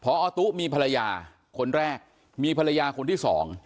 พอตุ๊มีภรรยาคนแรกมีภรรยาคนที่สอง